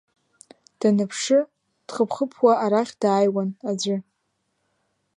Даныԥшы дхыԥ-хыԥуа арахь дааиуан аӡәы.